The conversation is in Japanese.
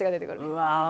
うわ。